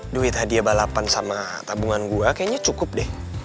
duit hadiah balapan sama tabungan gue kayaknya cukup deh